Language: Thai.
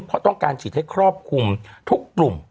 เพราะต้องการฉีดให้ครอบคลุมทุกกลุ่ม